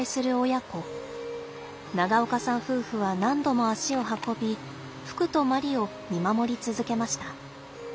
長岡さん夫婦は何度も足を運びふくとまりを見守り続けました。